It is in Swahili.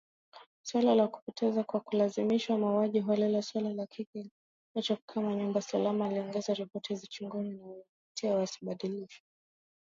Suala la kupotea kwa kulazimishwa, mauaji holela, suala la kile kinachojulikana kama nyumba salama, aliongezea ripoti zichunguzwe na wenye hatia wawajibishwe.